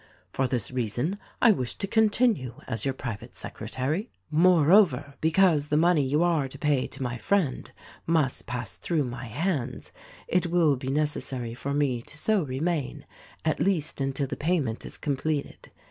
For this reason I wish to continue as your private secretary. Moreover, because the money you are to pay to my friend must pass through my hands, it will be necessary for me to so remain, at least until the payment is completed.